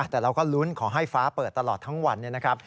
แต่เราก็ลุ้นขอให้ฟ้าเปิดตลอดทั้งวันเนี่ยนะครับ